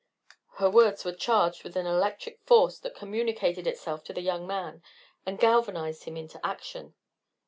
Her words were charged with an electric force that communicated itself to the young man and galvanized him into action.